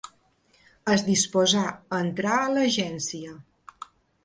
Es disposà a entrar a l'agència.